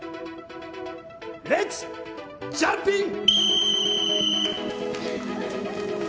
レッツジャンピング！